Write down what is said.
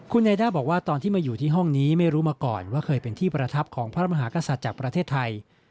คุณเนด้าบอกว่าตอนที่มาอยู่ที่ห้องนี้ไม่รู้มาก่อนว่าเคยเป็นที่ประทับของพระมหากษัตริย์จากประเทศไทย